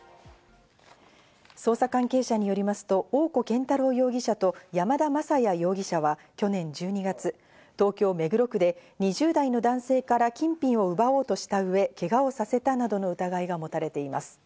捜査関係者によりますと、大古健太郎容疑者と山田雅也容疑者は去年１２月、東京・目黒区で２０代の男性から金品を奪おうとしたうえ、けがをさせたなどの疑いが持たれています。